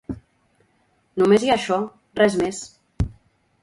Només hi ha això, res més.